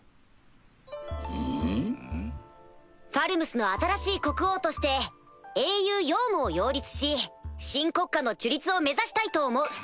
ファルムスの新しい国王として英雄ヨウムを擁立し新国家の樹立を目指したいと思う。